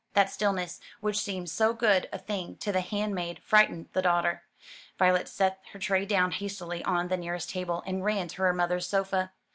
That stillness which seemed so good a thing to the handmaid frightened the daughter. Violet set her tray down hastily on the nearest table, and ran to her mother's sofa.